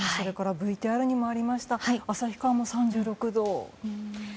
ＶＴＲにもありました旭川も３６度。